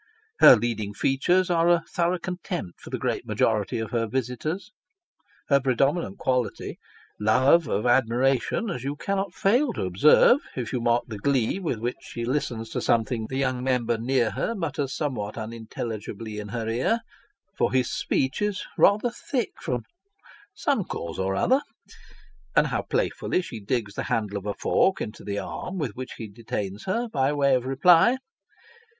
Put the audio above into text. Her leading features are a thorough contempt for the great majority of her visitors ; her predominant quality, love of admiration, as you cannot fail to observe, if you mark the glee with which she listens to something the young Member near her mutters somewhat unintelligibly in her ear (for his speech is rather thick from some cause or other), and how playfully she digs the handle of a fork into the arm with which he detains her, by way of reply.